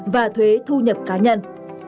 và thuế thu nhập cá nhân